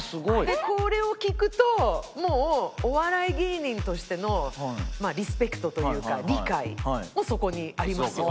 でこれを聞くともうお笑い芸人としてのまあリスペクトというか理解もそこにありますよね。